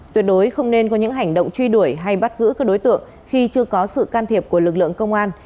tuyệt đối không nên có những hành động truy đuổi hay bắt giữ các đối tượng khi chưa có sự can thiệp của lực lượng công an